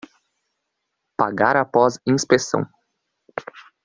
Pagar após inspeção